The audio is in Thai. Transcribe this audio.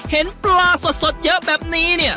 เห็นปลาสดสดเยอะเป็นนี่เนี่ย